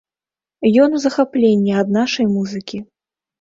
Ён у захапленні ад нашай музыкі.